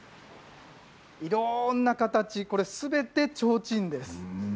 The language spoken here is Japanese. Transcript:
いろんな形、これ、すべてちょうちんです。